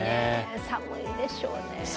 寒いでしょうね。